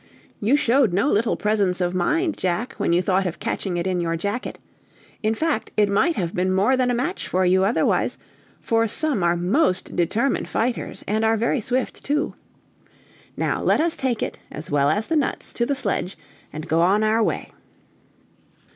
You showed no little presence of mind, Jack, when you thought of catching it in your jacket; in fact, it might have been more than a match for you otherwise, for some are most determined fighters, and are very swift, too. Now let us take it, as well as the nuts, to the sledge, and go on our way."